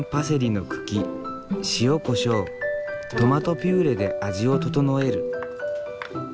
トマトピューレで味を調える。